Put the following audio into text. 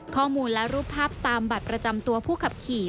ข้อมูลและรูปภาพตามบัตรประจำตัวผู้ขับขี่